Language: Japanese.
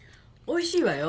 おいしいよ。